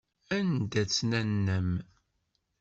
Anda-tt nanna-m?